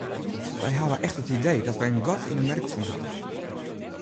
Wy hawwe echt it idee dat wy in gat yn 'e merk fûn hawwe.